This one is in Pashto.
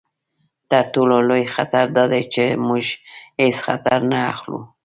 تر ټولو لوی خطر دا دی چې موږ هیڅ خطر نه اخلو.